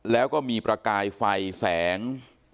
แล้วก็มีประกายไฟแสง